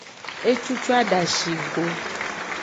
Ecucu adashi go.